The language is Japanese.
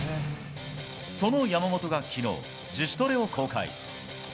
その山本がきのう、自主トレを公開。